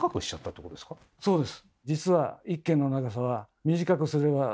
そうです。